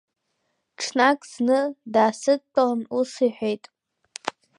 Ҽнак зны даасыдтәалан ус иҳәеит.